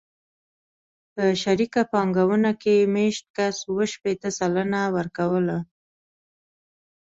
په شریکه پانګونه کې مېشت کس اوه شپېته سلنه ورکوله